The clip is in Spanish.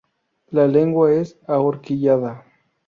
La lengua es ahorquillada.